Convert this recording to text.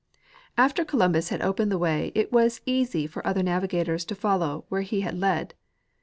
After Columbus had opened the way it was eas}^ for other navigators to follow where he had led.